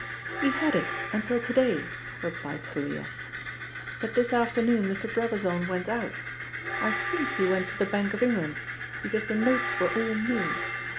"He had until to day," replied Thalia. "But this afternoon Mr. Brabazon went out I think he went to the Bank of England, because the notes were all new.